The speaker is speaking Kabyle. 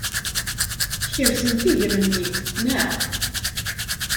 Tkerzemt iger-nni, naɣ?